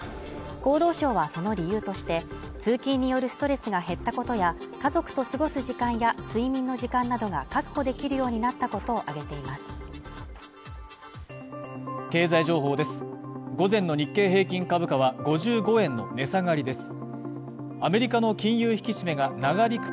厚労省はその理由として通勤によるストレスが減ったことや家族と過ごす時間や睡眠の時間などが確保できるようになったことを挙げています